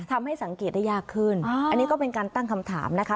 ทำให้สังเกตได้ยากขึ้นอันนี้ก็เป็นการตั้งคำถามนะคะ